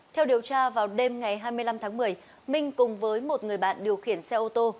theo điều tra vào đêm ngày hai mươi năm tháng một mươi minh cùng với một người bạn điều khiển xe ô tô